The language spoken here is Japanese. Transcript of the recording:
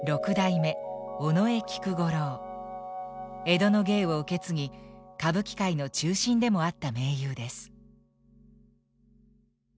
江戸の芸を受け継ぎ歌舞伎界の中心でもあった名優です。